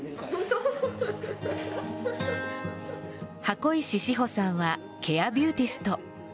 箱石志保さんはケアビューティスト。